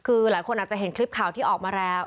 คือหลายคนอาจจะเห็นคลิปข่าวที่ออกมาแล้ว